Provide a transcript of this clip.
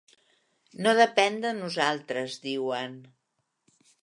No depèn de nosaltres, diuen.